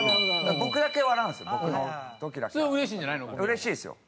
うれしいですよ。